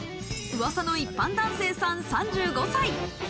噂の一般男性さん、３５歳。